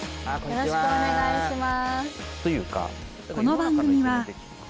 よろしくお願いします